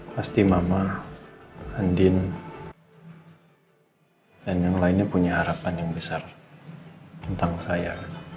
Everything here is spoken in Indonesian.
pasti mama andin dan yang lainnya punya harapan yang besar tentang saya